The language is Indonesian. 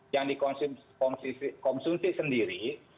yang dikonsumsi sendiri